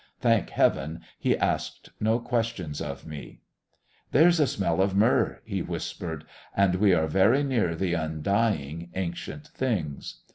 Thank heaven, he asked no questions of me. "There's a smell of myrrh," he whispered, "and we are very near the undying, ancient things."